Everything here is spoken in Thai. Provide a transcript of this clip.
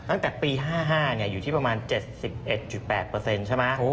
ตั้งแต่ปี๕๕อยู่ที่ประมาณ๗๑๘ใช่ไหม